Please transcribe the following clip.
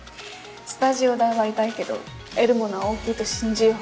スタジオ代は痛いけど得るものは大きいと信じよう。